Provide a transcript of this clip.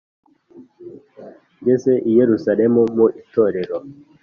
geze i Yerusalemu itorero